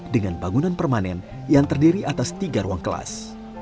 dengan bangunan permanen yang terdiri atas tiga ruang kelas